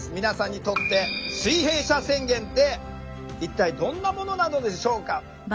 皆さんにとって水平社宣言って一体どんなものなのでしょうか。